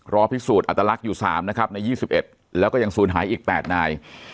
รอพิสูจน์อัตลักษณ์อยู่๓นะครับใน๒๑แล้วก็ยังศูนย์หายอีก๘นาย